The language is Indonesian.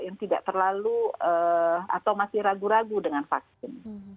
yang tidak terlalu atau masih ragu ragu dengan vaksin